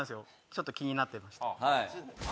ちょっと気になってました